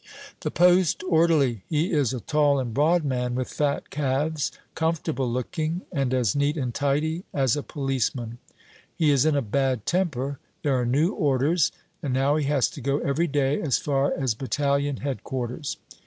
The post orderly! He is a tall and broad man with fat calves; comfortable looking, and as neat and tidy as a policeman. He is in a bad temper. There are new orders, and now he has to go every day as far as Battalion Headquarters.